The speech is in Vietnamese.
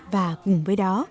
và cùng với đó